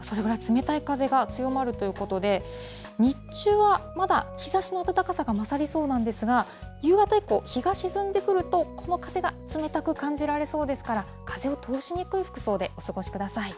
それぐらい冷たい風が強まるということで、日中はまだ日ざしの暖かさが勝りそうなんですが、夕方以降、日が沈んでくると、この風が冷たく感じられそうですから、風を通しにくい服装でお過ごしください。